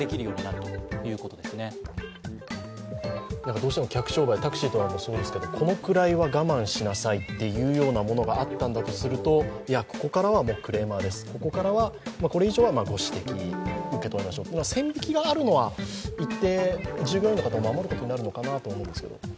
どうしても客商売、タクシーとかもそうですけど、このくらいは我慢しなさいっていうようなものがあったんだとすると、いや、ここからはクレーマーです、これ以上はご指摘を受け取ります、線引きがあるのは一定、従業員の方を守ることになるのかなと思うんですけど。